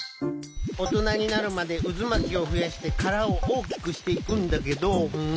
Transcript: おとなになるまでうずまきをふやしてからをおおきくしていくんだけど。